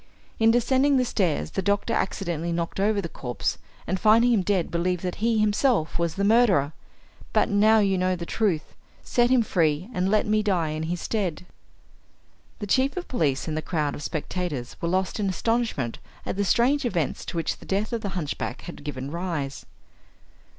In descending the stairs the doctor accidentally knocked over the corpse, and finding him dead believed that he himself was the murderer. But now you know the truth set him free, and let me die in his stead." The chief of police and the crowd of spectators were lost in astonishment at the strange events to which the death of the hunchback had given rise.